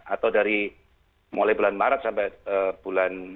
atau dari mulai bulan maret sampai bulan